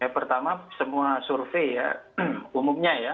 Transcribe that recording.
pertama semua survei umumnya